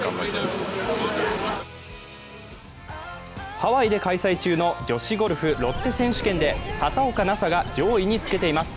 ハワイで開催中の女子ゴルフ、ロッテ選手権で畑岡奈紗が上位につけています。